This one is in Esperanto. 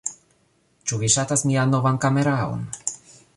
Ĉu vi ŝatas mian novan kameraon?